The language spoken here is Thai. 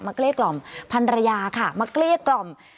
เกลี้ยกล่อมพันรยาค่ะมาเกลี้ยกล่อม